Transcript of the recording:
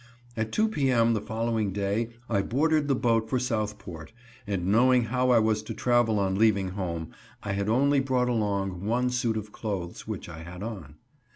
At 2 p. m. the following day I boarded the boat for Southport, and knowing how I was to travel on leaving home, I had only brought along one suit of clothes, which I had on.